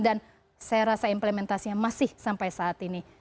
dan saya rasa implementasinya masih sampai saat ini